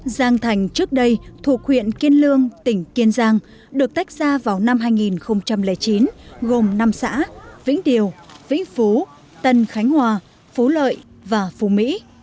giang thành trước đây thuộc huyện kiên lương tỉnh kiên giang được tách ra vào năm hai nghìn chín gồm năm xã vĩnh điều vĩnh phú tân khánh hòa phú lợi và phú mỹ